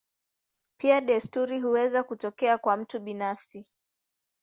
Pia desturi huweza kutokea kwa mtu binafsi.